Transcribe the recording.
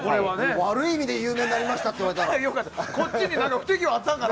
悪い意味で有名になりましたって言われたらね。